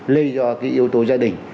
lây do cái yếu tố gia đình